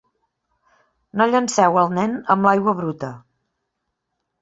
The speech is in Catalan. No llanceu el nen amb l'aigua bruta.